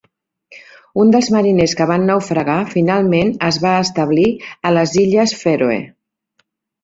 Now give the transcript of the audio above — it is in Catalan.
Un dels mariners que van naufragar finalment es va establir a les illes Fèroe.